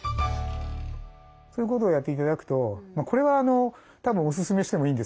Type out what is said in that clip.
そういうことをやって頂くとこれはたぶんおすすめしてもいいんです。